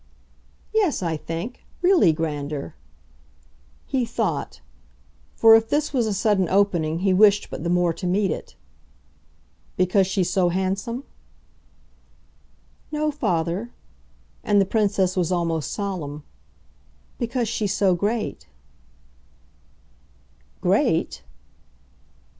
"Yes, I think. Really grander." He thought; for if this was a sudden opening he wished but the more to meet it. "Because she's so handsome?" "No, father." And the Princess was almost solemn. "Because she's so great." "Great